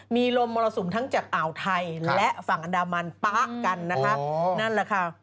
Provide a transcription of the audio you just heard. มีลมเมลสุมทั้งอ่าวไทยและฝั่งอันดามันป๊ะกันนะฮะ